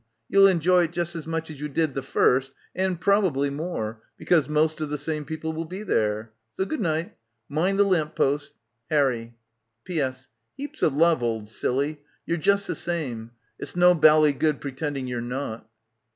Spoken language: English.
You'll enjoy it just as much as you did the first and probably more, because most of the same people will be there. So Goodni'. Mind the lamp post, Harry. P'S. — Heaps of love, old silly. You're just the same. It's no bally good pretending you're not."